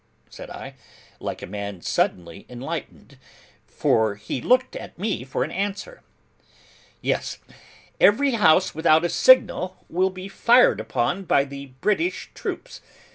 said I, like a man suddenly enlightened. For he looked at me for an answer. 'Yes. Every house without a signal will be fired upon by the British troops.